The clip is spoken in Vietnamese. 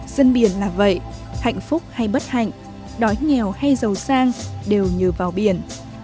dân biển là vậy hạnh phúc hay bất hạnh đói nghèo hay giàu sang đều nhờ vào biển